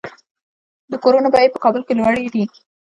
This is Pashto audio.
د کورونو بیې په کابل کې لوړې دي